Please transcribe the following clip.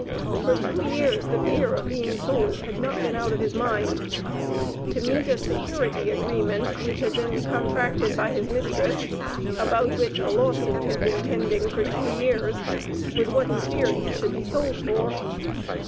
For two years the fear of being sold had not been out of his mind. To meet a security agreement, which had been contracted by his mistress about which a law suit had been pending for two years was what he feared he should be sold for.